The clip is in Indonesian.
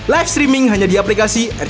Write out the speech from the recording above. live streaming hanya di aplikasi rcti plus